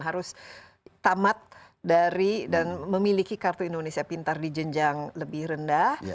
harus tamat dari dan memiliki kartu indonesia pintar di jenjang lebih rendah